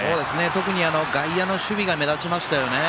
特に外野の守備が目立ちましたね。